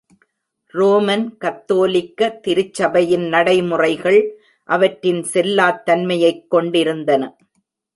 Roman கத்தோலிக்க திருச்சபையின் நடைமுறைகள், அவற்றின் செல்லாத்தன்மையைக் கொண்டிருந்தன.